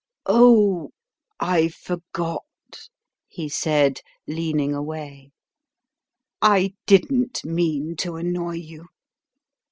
"Oh, I forgot," he said, leaning away. "I didn't mean to annoy you.